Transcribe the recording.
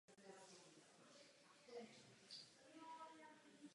Jsou podobné fenolu.